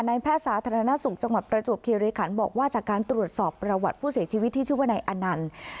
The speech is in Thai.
แพทย์สาธารณสุขจังหวัดประจวบคิริขันบอกว่าจากการตรวจสอบประวัติผู้เสียชีวิตที่ชื่อว่านายอนันต์